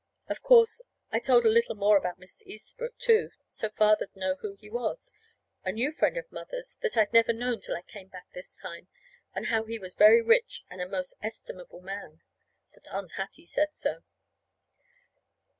Of course, I told a little more about Mr. Easterbrook, too, so Father'd know who he was a new friend of Mother's that I'd never known till I came back this time, and how he was very rich and a most estimable man. That Aunt Hattie said so.